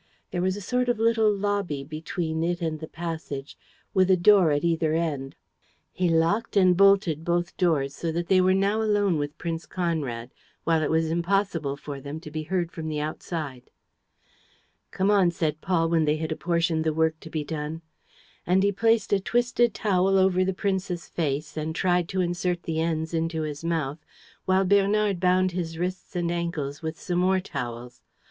There was a sort of little lobby between it and the passage, with a door at either end. He locked and bolted both doors, so that they were now alone with Prince Conrad, while it was impossible for them to be heard from the outside. "Come on," said Paul, when they had apportioned the work to be done. And he placed a twisted towel over the prince's face and tried to insert the ends into his mouth while Bernard bound his wrists and ankles with some more towels.